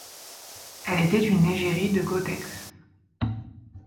Elle était une égérie de Gottex.